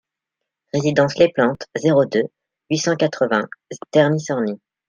Résidence Les Plantes, zéro deux, huit cent quatre-vingts Terny-Sorny